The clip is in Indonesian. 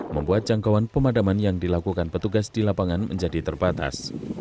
membuat jangkauan pemadaman yang dilakukan petugas di lapangan menjadi terbatas